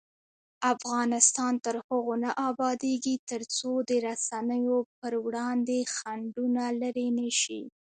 افغانستان تر هغو نه ابادیږي، ترڅو د رسنیو پر وړاندې خنډونه لیرې نشي.